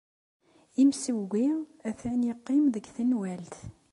Imsewwi atan yeqqim deg tenwalt.